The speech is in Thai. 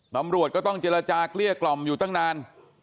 ตำรวจก็ต้องเจรจาเกลี้ยกล่อมอยู่ตั้งนาน